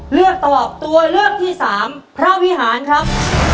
เลือกตอบตัวเลือกที่สามพระวิหารครับ